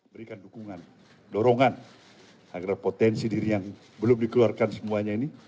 berikan dukungan dorongan agar potensi diri yang belum dikeluarkan semuanya ini